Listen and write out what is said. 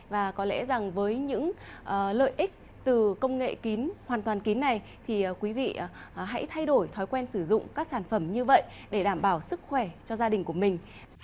và có lẽ rằng với những lợi ích từ công nghệ kín hoàn toàn kín này thì quý vị hãy thay đổi thói quen sử dụng các sản phẩm như vậy để đảm bảo sức khỏe cho gia đình của mình